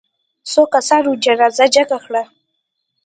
څو کسانو جنازه جګه کړه.